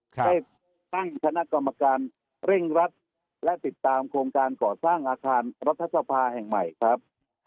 ได้ตั้งคณะกรรมการเร่งรัดและติดตามโครงการก่อสร้างอาคารรัฐสภาแห่งใหม่ครับ